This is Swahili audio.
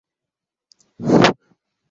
hiyo inachangia kwa pakubwa ambwa kwa sababu